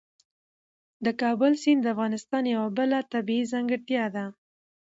د کابل سیند د افغانستان یوه بله طبیعي ځانګړتیا ده.